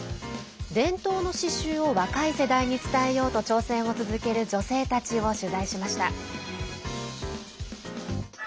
伝統の刺しゅうを若い世代に伝えようと挑戦を続ける女性たちを取材しました。